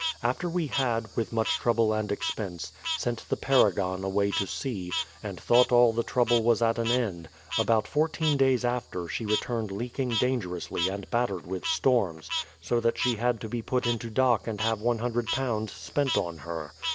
After we had, with much trouble and expense, sent the Parragon away to sea, and thought all the trouble was at an end, about four teen days after she returned leaking dangerously and battered with storms, so that she had to be put into dock and have iioo spent on her.